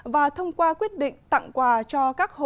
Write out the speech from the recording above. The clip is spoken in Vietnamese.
và thông qua quyết định tặng quà cho các dân dân